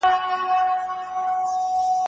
زه پر دعاو تکیه نه کومه